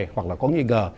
hoặc là có nghi ngờ